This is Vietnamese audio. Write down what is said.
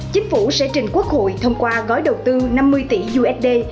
chính phủ sẽ trình quốc hội thông qua gói đầu tư năm mươi tỷ usd